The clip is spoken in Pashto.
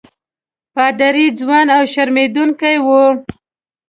پادري ځوان او شرمېدونکی وو.